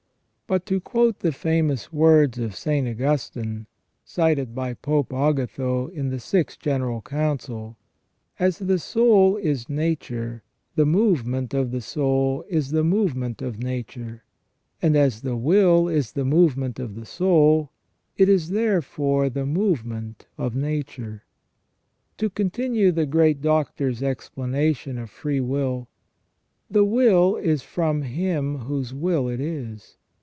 But to quote the famous words of St. Augustine cited by Pope Agatho in the Sixth General Council :" As the soul is nature, the movement of the soul is the movement of nature ; and as the will is the movement of the soul, it is therefore^the movement of nature".* To continue the great Doctor's explanation of free will :" The will is from him whose will it is.